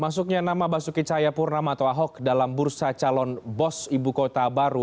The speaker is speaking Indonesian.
masuknya nama basuki cahayapurnama atau ahok dalam bursa calon bos ibu kota baru